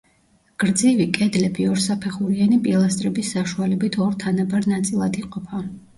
გრძივი კედლები ორსაფეხურიანი პილასტრების საშუალებით ორ თანაბარ ნაწილად იყოფა.